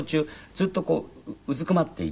ずっとこううずくまっていて。